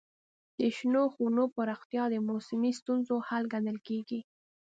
د شنو خونو پراختیا د موسمي ستونزو حل ګڼل کېږي.